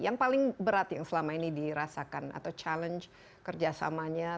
yang paling berat yang selama ini dirasakan atau challenge kerjasamanya